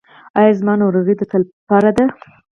ایا زما ناروغي د تل لپاره ده؟